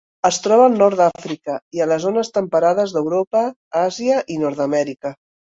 Es troba al nord d'Àfrica i a les zones temperades d'Europa, Àsia i Nord-amèrica.